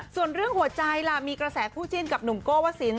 ส่วนเรื่องหัวใจมีกระแสผู้จินกับหนุ่มโกวะศิลป์